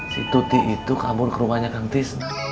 si tuti itu kabur ke rumahnya kang tisna